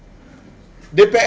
dpr nya yang berpengaruh